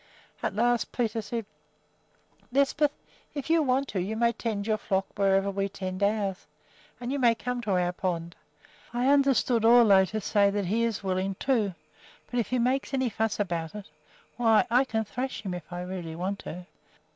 At last Peter said: "Lisbeth, if you want to, you may tend your flock wherever we tend ours, and you may come to our pond. I understood Ole to say that he is willing, too; but if he makes any fuss about it, why I can thrash him if I really want to."